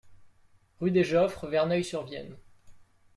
Rue des Geoffres, Verneuil-sur-Vienne